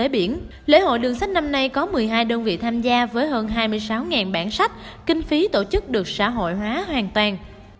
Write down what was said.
bản sách năm nay có một mươi hai đơn vị tham gia với hơn hai mươi sáu bản sách kinh phí tổ chức được xã hội hóa hoàn toàn